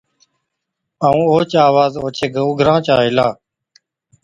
ائُون اوهچ آواز اوڇي گھوگھران چا هِلا۔